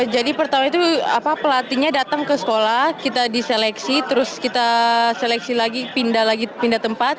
pertama itu pelatihnya datang ke sekolah kita diseleksi terus kita seleksi lagi pindah lagi pindah tempat